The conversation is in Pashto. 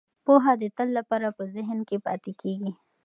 پوهه د تل لپاره په ذهن کې پاتې کیږي.